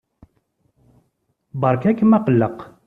Beṛka-kem aqelleq.